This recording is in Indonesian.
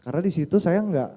karena disitu saya gak